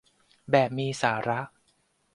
แบบมีสาระ